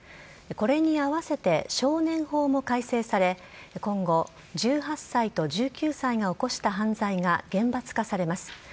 これにあわせて少年法も改正され今後１８歳と１９歳が起こした犯罪が厳罰化されます。